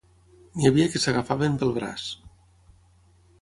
N'hi havia que s'agafaven pel braç